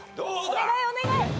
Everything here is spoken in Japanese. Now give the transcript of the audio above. お願いお願い。